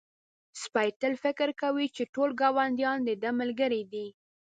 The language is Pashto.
سپی تل فکر کوي چې ټول ګاونډیان د ده ملګري دي.